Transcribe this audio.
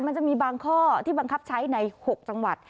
มันจะมีบางข้อที่บังคับใช้ใน๖จังหวัด